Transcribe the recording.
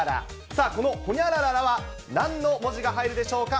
さあ、このほにゃらららは、何の文字が入るでしょうか。